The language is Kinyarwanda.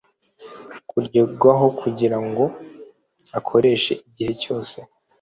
kugerwaho kugira ngo akoreshwe igihe cyose